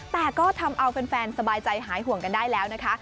แต่ก็ทำเอาแฟนสบายใจหายห่วงกันได้แล้วนะคะ